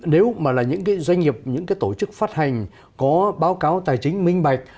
nếu mà là những cái doanh nghiệp những cái tổ chức phát hành có báo cáo tài chính minh bạch